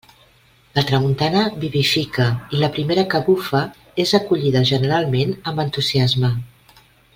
La tramuntana vivifica, i la primera que bufa és acollida generalment amb entusiasme.